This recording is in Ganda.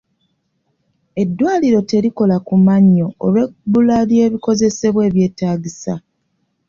Eddwaliro terikola ku mannyo olw'ebbula ly'ebikozesebwa ebyetaagisa.